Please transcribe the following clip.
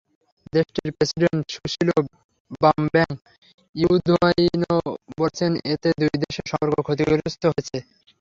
দেশটির president Susilo Bambang Yudhoyono বলেছেন, এতে দুই দেশের সম্পর্ক ক্ষতিগ্রস্ত হয়েছে।